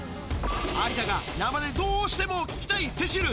有田が生でどうしても聴きたいセシル。